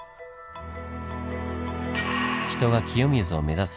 人が清水を目指す